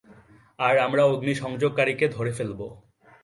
আর আমরা অগ্নিসংযোগকারীকে ধরে ফেলবো।